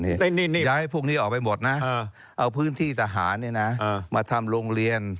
นี่ย้ายพวกนี้ออกไปหมดนะเอาพื้นที่ทหารมาทำโรงเรียน